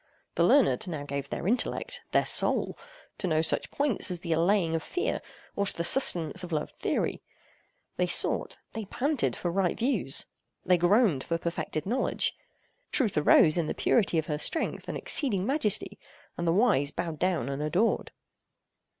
The learned now gave their intellect—their soul—to no such points as the allaying of fear, or to the sustenance of loved theory. They sought—they panted for right views. They groaned for perfected knowledge. Truth arose in the purity of her strength and exceeding majesty, and the wise bowed down and adored.